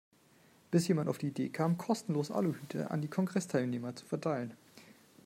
Bis jemand auf die Idee kam, kostenlos Aluhüte an die Kongressteilnehmer zu verteilen.